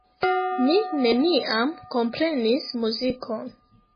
Mi neniam komprenis muzikon.